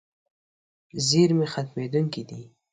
زیرمې ختمېدونکې دي.